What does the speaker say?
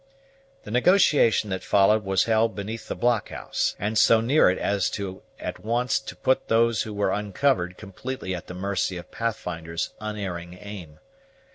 The negotiation that followed was held beneath the blockhouse; and so near it as at once to put those who were uncovered completely at the mercy of Pathfinder's unerring aim.